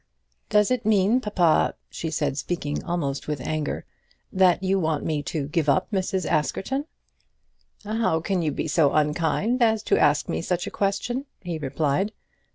"Does it mean, papa," she said, speaking almost with anger, "that you want me to give up Mrs. Askerton?" "How can you be so unkind as to ask me such a question?" he replied.